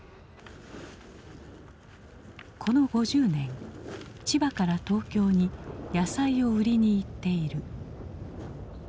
この５０年千葉から東京に野菜を売りに行っている。